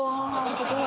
すごい！